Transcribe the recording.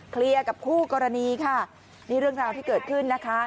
เคลียร์กับคู่กรณีค่ะนี่เรื่องราวที่เกิดขึ้นนะคะ